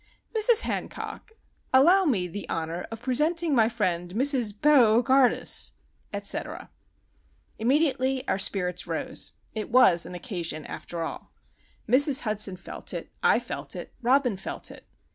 —— Mrs. Hancock, allow me the Honour of Presenting my friend Mrs. Bo gardus; etc.——" Immediately our spirits rose. It was an Occasion, after all. Mrs. Hudson felt it, I felt it, Robin felt it.